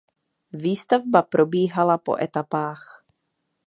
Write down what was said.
Výstavba probíhala po etapách.